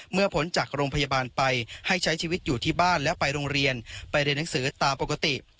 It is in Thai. พ้นจากโรงพยาบาลไปให้ใช้ชีวิตอยู่ที่บ้านและไปโรงเรียนไปเรียนหนังสือตามปกติ